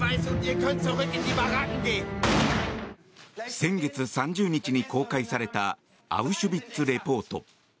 先月３０日に公開された「アウシュヴィッツ・レポート」。